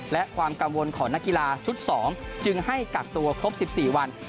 และความกังวลของนักกีฬาชุด๒จึงให้กักตัวครบ๑๔วัน